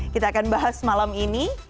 kita akan bahas malam ini